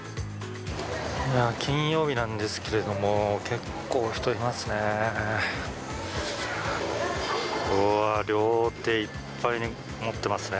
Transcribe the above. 今、金曜日なんですけども、結構人いますね。